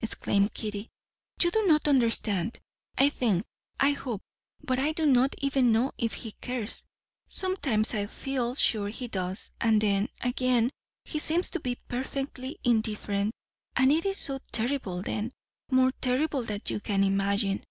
exclaimed Kitty, "you do not understand. I think I hope but I do not even know if he cares. Sometimes I feel sure he does, and then, again, he seems to be perfectly indifferent, and it is so terrible then, more terrible than you can imagine.